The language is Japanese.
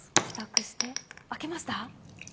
さぁ、帰宅して開けました。